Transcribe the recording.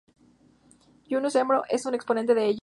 Yunus Emre es un exponente de ello.